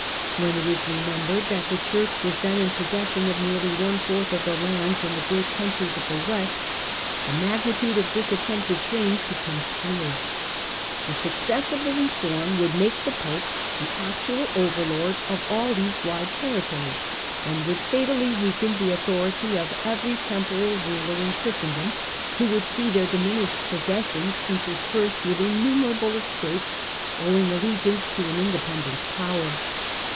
When it is remembered that the Church was then in possession of nearly one fourth of the lands in the great countries of the West, the magnitude of this attempted change becomes clear. The success of A HERITAGE OF STRIFE 15 the reform would make the Pope the actual overlord of all these wide territories, and would fatally weaken the authority of every temporal ruler in Christendom, who would see their diminished possessions interspersed with innumerable estates owing allegiance to an inde pendent power.